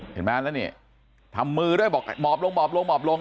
เห็นมั้ยแล้วเนี่ยทำมือด้วยบอกให้หมอบลงลง